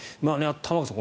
玉川さん